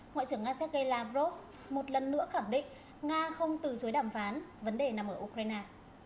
ngoại trưởng nga sergei lavrov một lần nữa khẳng định nga không từ chối đàm phán vấn đề nằm ở ukraine